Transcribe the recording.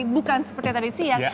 bukan seperti tadi siang